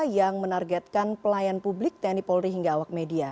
yang menargetkan pelayan publik tni polri hingga awak media